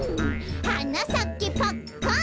「はなさけパッカン